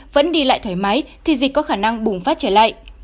vẫn đi lại thoải mái thì dịch có khả năng bùng phát trở lại